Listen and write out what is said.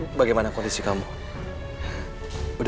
afif aku mencintai kamu afif